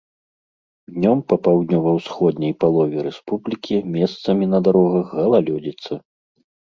Днём па паўднёва-ўсходняй палове рэспублікі месцамі на дарогах галалёдзіца.